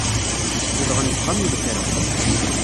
Zedɣen deg wexxam n lekra.